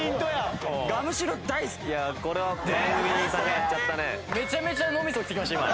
めちゃめちゃ脳みそ起きてきました今。